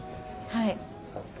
はい。